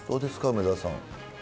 梅沢さん。